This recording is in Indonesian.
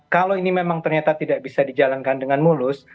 kalau ini memang ternyata tidak bisa dijalankan dengan mulus